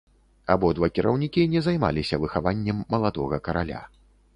Абодва кіраўнікі не займаліся выхаваннем маладога караля.